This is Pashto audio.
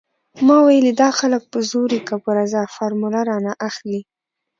ما ويلې دا خلک په زور وي که په رضا فارموله رانه اخلي.